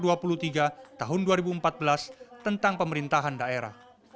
dan juga di tahun dua ribu empat belas tentang pemerintahan daerah